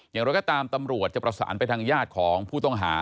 อย่างไรก็ตามตำรวจจะประสานไปทางญาติของผู้ต้องหา